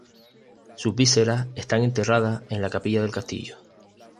Sus vísceras están enterradas en la capilla del castillo.